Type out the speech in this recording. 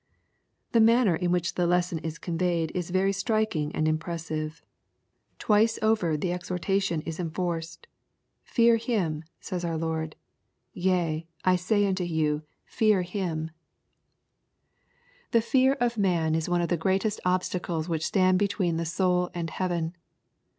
The manner in which the lesson is conveyed is very striking and im pressive. Twice over the exhortation is enforced. *^ Fear him," says our Lord, —" vea, I say unto you, fear him/* 60 EXPOSITORY THOUGHTS. The fear of man is one of the greatest obstacles which stand between the soul and heaven.